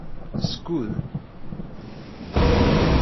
Skud.